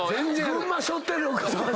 群馬しょってる。